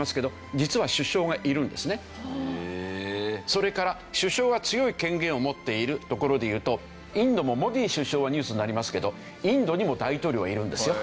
それから首相が強い権限を持っているところで言うとインドもモディ首相はニュースになりますけどインドにも大統領はいるんですよ。